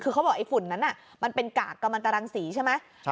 คือเขาบอกไอ้ฝุ่นนั้นมันเป็นกากกำลังตรังสีใช่ไหม